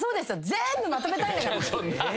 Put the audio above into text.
全部まとめたいんだから。